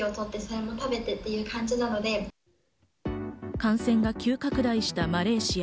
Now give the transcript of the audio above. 感染が急拡大したマレーシア。